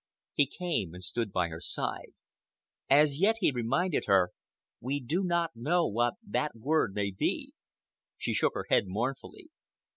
He came and stood by her side. "As yet," he reminded her, "we do not know what that word may be." She shook her head mournfully.